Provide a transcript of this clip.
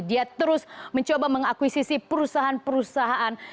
dia terus mencoba mengakuisisi perusahaan perusahaan